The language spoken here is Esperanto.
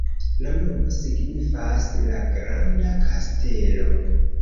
La nomo signifas: "la granda kastelo".